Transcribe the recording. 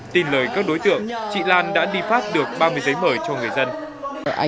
tin lời các đối tượng chị lan đã đi phát được ba mươi giấy mời cho người dân